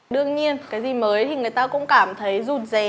đương nhiên cái gì mới thì người ta cũng cảm thấy rụt rè